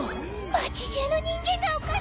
町じゅうの人間がおかしいさ。